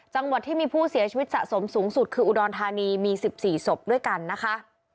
จังหวัดที่มีผู้เสียชีวิตสะสมสูงสุดคืออุดรธานีมี๑๔ศพด้วยกันนะคะ